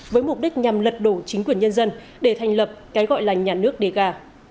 với mục đích nhằm lật đổ chính quyền nhân dân để thành lập cái gọi là nhà nước đề gà